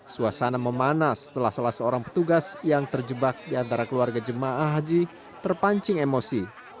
suasana memanas setelah salah seorang petugas yang terjebak di antara keluarga jemaah haji terpancing emosi